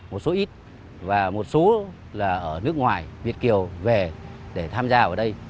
một số ít và một số là ở nước ngoài việt kiều về để tham gia ở đây